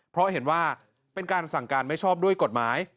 เพราะเห็นว่าเป็นการสั่งการไม่ชอบด้วยกฎหมาย